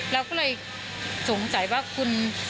เราก็เลยสงสัยว่าคุณ